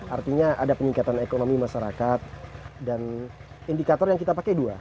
artinya ada peningkatan ekonomi masyarakat dan indikator yang kita pakai dua